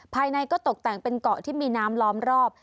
ภายในก็ตกแต่งเป็นเกาะที่มีน้ำล้อมรอบ